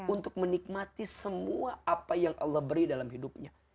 untuk menikmati semua apa yang allah beri dalam hidupnya